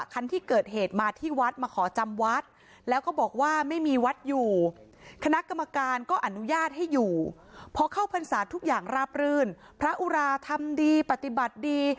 พอเข้าพรรษาทุกอย่างราบลืนพระอุราทำดีปฎิบัติดี